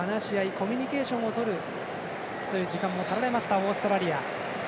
コミュニケーションをとるという時間もとられましたオーストラリア。